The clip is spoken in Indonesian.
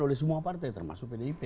oleh semua partai termasuk pdip